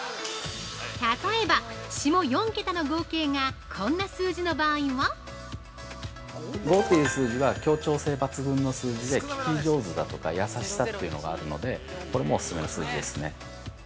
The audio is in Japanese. ◆例えば、下４桁の合計がこんな数字の場合は◆５という数字は協調性抜群の数字で聞き上手だとか優しさというのがあるのでこれもお勧めの数字ですね。